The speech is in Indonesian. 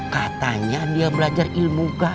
katanya dia belajar ilmu kak